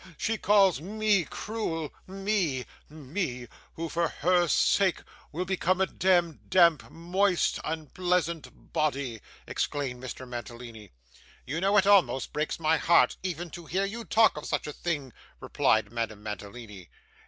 'She calls me cruel me me who for her sake will become a demd, damp, moist, unpleasant body!' exclaimed Mr. Mantalini. 'You know it almost breaks my heart, even to hear you talk of such a thing,' replied Madame Mantalini.